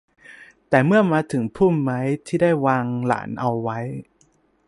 แต่เมื่อมาถึงพุ่มไม้ที่ได้วางหลานเอาไว้